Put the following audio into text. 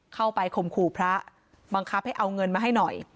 ข่มขู่พระบังคับให้เอาเงินมาให้หน่อย